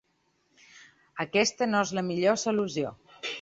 Aquesta no és la millor solució.